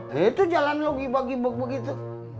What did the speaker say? nah itu jalan lo gibok gibok begitu